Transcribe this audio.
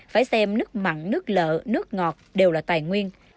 phải xem nước mặn nước lợ nước ngọt đều là tài nguyên